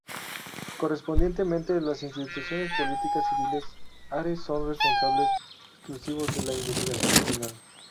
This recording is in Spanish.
Correspondientemente, las instituciones "policiales civiles" are son responsables exclusivos de la investigación criminal.